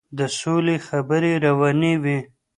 د سولې خبرې روانې وې.